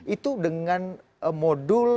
itu dengan modul